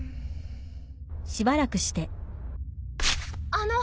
あの！